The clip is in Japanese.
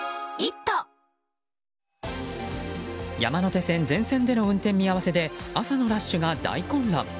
山手線全線での運転見合わせで朝のラッシュが大混乱。